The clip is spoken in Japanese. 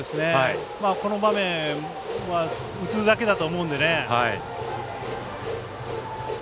この場面は打つだけだと思うんでね。